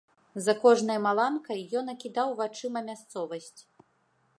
За кожнай маланкай ён акідаў вачыма мясцовасць.